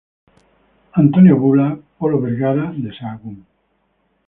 Antonio Bula, Polo Vergara, de Sahagún.